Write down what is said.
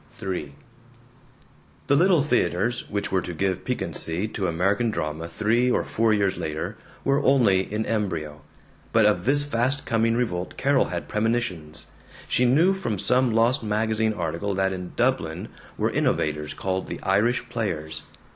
III The Little Theaters, which were to give piquancy to American drama three or four years later, were only in embryo. But of this fast coming revolt Carol had premonitions. She knew from some lost magazine article that in Dublin were innovators called The Irish Players.